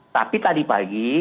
tapi tadi pagi